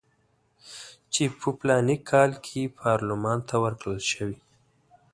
چې په فلاني کال کې پارلمان ته ورکړل شوي.